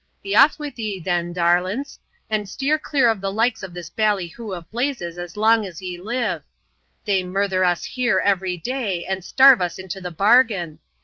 Be off wid ye, thin, darlints, and steer clear of the Hkes of this ballyhoo of blazes as long as ye live. They murther us here every day, and starve us into the bargain.